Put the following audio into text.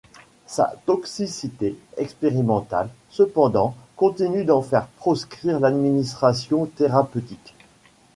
Sa toxicité expérimentale, cependant, continue d’en faire proscrire l’administration thérapeutique.